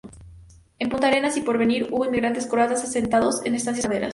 En Punta Arenas y Porvenir hubo inmigrantes croatas asentados en estancias ganaderas.